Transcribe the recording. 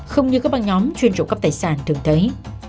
không như các băng nhóm chuyên trộm cắp tài sản thường thấy